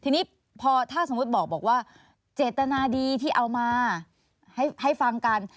ทีนี้พอถ้าสมมุติบอกว่าเจตนาดีที่เอามาให้ฟังกัน